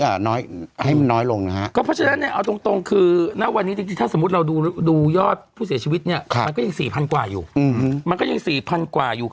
เพราะฉะนั้นเอาตรงคือถ้าสมมุติเราดูยอดผู้เสียชีวิตมันก็ยัง๔๐๐๐กว่าอยู่